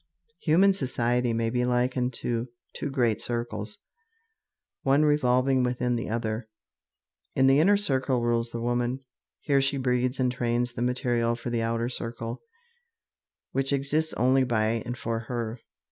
Human society may be likened to two great circles, one revolving within the other. In the inner circle rules the woman. Here she breeds and trains the material for the outer circle, which exists only by and for her.